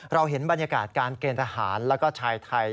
เราเห็นบรรยากาศการเกณฑ์ทหารแล้วก็ชายไทย